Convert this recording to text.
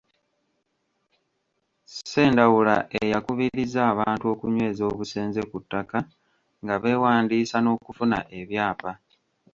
Ssendaula eyakubirizza abantu okunyweza obusenze ku ttaka nga beewandiiisa n’okufuna ebyapa.